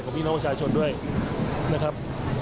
ของพี่น้องชายชนด้วยนะครับ